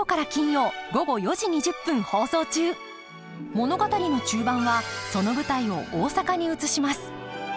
物語の中盤はその舞台を大阪に移します。